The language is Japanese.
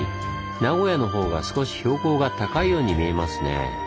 名古屋のほうが少し標高が高いように見えますね。